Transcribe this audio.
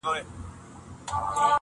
زاړه کتابونه قیمتي معلومات لري